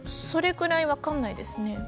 それくらい分かんないですね。